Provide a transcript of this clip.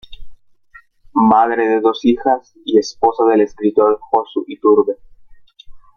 Madre de dos hijas y esposa del escritor Josu Iturbe.